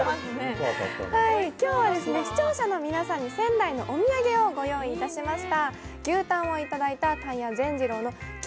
今日は視聴者の皆さんに仙台のお土産をご用意しました。